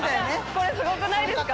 これすごくないですか？